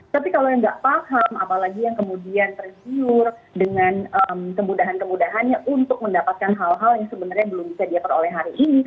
tapi kalau yang nggak paham apalagi yang kemudian tergiur dengan kemudahan kemudahannya untuk mendapatkan hal hal yang sebenarnya belum bisa dia peroleh hari ini